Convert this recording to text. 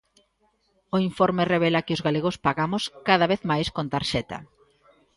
O informe revela que os galegos pagamos cada vez máis con tarxeta.